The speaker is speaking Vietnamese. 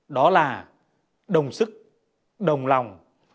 đó là đồng sức đồng lòng